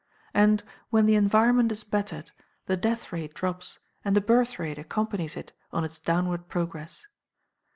And when the environment is bettered, the death rate drops, and the birth rate accompanies it on its downward progress.